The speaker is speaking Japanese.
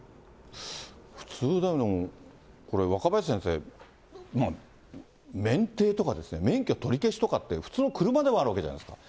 普通、でもこれ、若林先生、免停とかですね、免許取り消しとかって、普通の車でもあるわけじゃないですか。